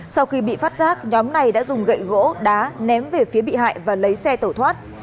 sau khi bị phát giác nhóm này đã dùng gậy gỗ đá ném về phía bị hại và lấy xe tẩu thoát